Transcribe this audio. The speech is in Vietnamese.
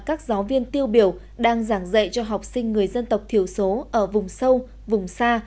các giáo viên tiêu biểu đang giảng dạy cho học sinh người dân tộc thiểu số ở vùng sâu vùng xa